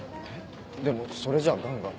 でもそれじゃ癌が。